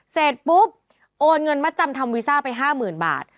เสร็จปุ๊บโอนเงินมัดจำทำวีซ่าไป๕๐๐๐บาท